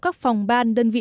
các phòng ban đơn vị